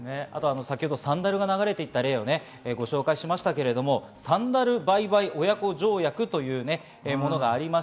サンダルが流れていた例もご紹介しましたが、サンダルバイバイおやこ条約というものがあります。